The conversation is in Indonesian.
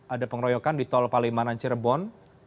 ada pengeroyokan di tol palimanan cirebon